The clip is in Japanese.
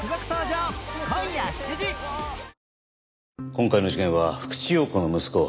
今回の事件は福地陽子の息子